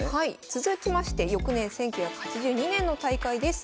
続きまして翌年１９８２年の大会です。